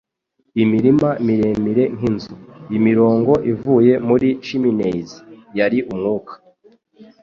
Imirima miremire nkinzu, imirongo ivuye muri chimneys, yari umwuka